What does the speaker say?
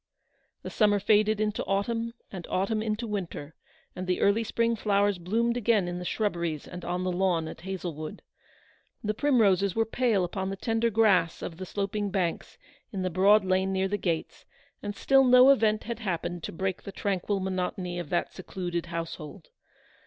The summer faded into autumn, and autumn into winter, and the early spring flowers bloomed again in the shrubberies and on the lawn at Hazlewood. The primroses were pale upon the tender grass of the sloping banks in the broad lane near the gates, and still no event had hap pened to break the tranquil monotony of that secluded household.